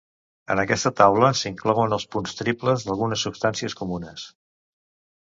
En aquesta taula s'inclouen els punts triples d'algunes substàncies comunes.